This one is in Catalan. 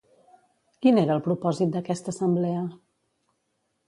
Quin era el propòsit d'aquesta assemblea?